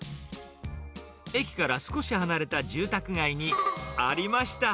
駅から少し離れた住宅街に、ありました。